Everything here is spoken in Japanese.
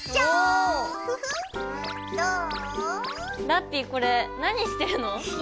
ラッピィこれ何してるの？